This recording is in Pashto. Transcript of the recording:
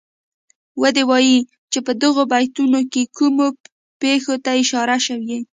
ودې وايي چه په دغو بیتونو کې کومو پېښو ته اشاره شوې.